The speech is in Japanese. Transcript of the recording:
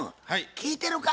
聞いてるか？